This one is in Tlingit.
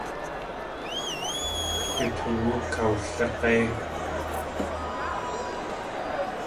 Du toowú kawlig̲éi.